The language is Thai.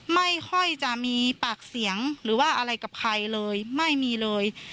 ไม่ค่อยจะมีปากเสียงหรือว่าอะไรกับใครเลยไม่มีเลย